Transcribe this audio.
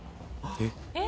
えっ！